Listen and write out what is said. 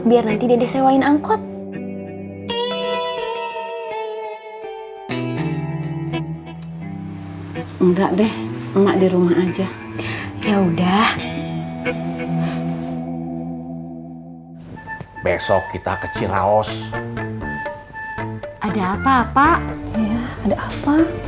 iya ada apa